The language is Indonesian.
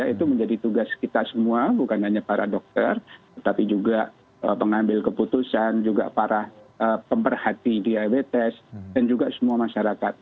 itu menjadi tugas kita semua bukan hanya para dokter tetapi juga pengambil keputusan juga para pemerhati diabetes dan juga semua masyarakat